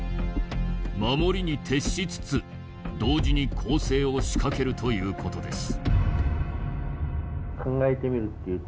守りに徹しつつ同時に攻勢を仕掛けるという事です。